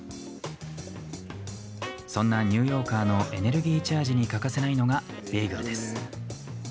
そんなニューヨーカーのエネルギーチャージに欠かせないのが、ベーグルです。